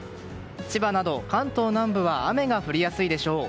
千葉など関東南部は雨が降りやすいでしょう。